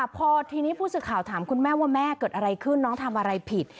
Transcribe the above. พอทีนี้ผู้สื่อข่าวถามคุณแม่ว่าแม่เกิดอะไรขึ้นน้องทำอะไรผิด